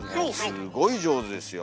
すごい上手ですよ。